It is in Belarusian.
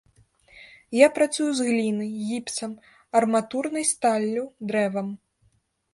Я працую з глінай, гіпсам, арматурнай сталлю, дрэвам.